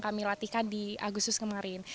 kami latihkan di agustus kemarin